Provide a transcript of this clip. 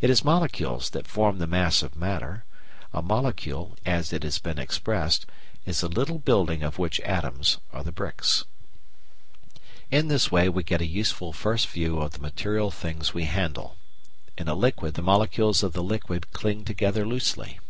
It is molecules that form the mass of matter; a molecule, as it has been expressed, is a little building of which atoms are the bricks. In this way we get a useful first view of the material things we handle. In a liquid the molecules of the liquid cling together loosely.